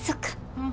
うん。